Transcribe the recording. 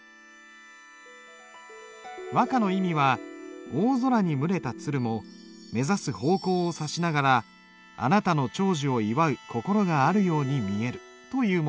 和歌の意味は「大空に群れた鶴も目指す方向を指しながらあなたの長寿を祝う心があるように見える」というものだ。